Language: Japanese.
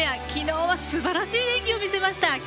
昨日はすばらしい演技を見せました。